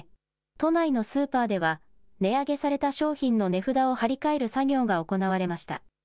都内のスーパーでは値上げされた商品の値札を貼り替える作業が行われました。